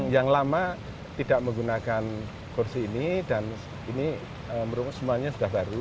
yang lama tidak menggunakan kursi ini dan ini semuanya sudah baru